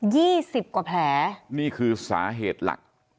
สิบกว่าแผลนี่คือสาเหตุหลัก